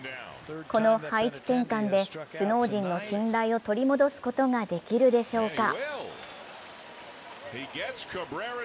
この配置転換で首脳陣の信頼を取り戻すことができるでしょうか。